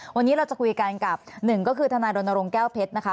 วันนี้เราจะคุยกันกับหนึ่งก็คือทนายรณรงค์แก้วเพชรนะคะ